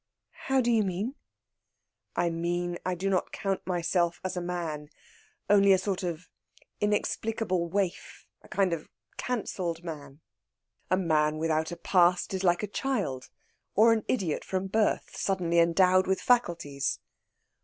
"How do you mean?" "I mean I do not count myself as a man only a sort of inexplicable waif, a kind of cancelled man. A man without a past is like a child, or an idiot from birth, suddenly endowed with faculties."